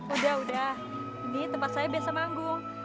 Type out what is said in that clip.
udah udah ini tempat saya biasa manggung